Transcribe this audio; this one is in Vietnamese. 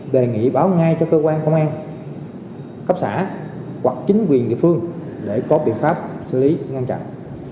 đề nghị báo ngay cho cơ quan công an cấp xã hoặc chính quyền địa phương để có biện pháp xử lý ngăn chặn